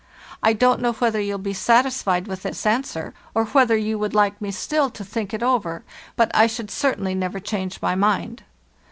'I don't know whether you'll be satisfied with this answer, or whether you would like me still to think it over; but I should certainly never change my mind.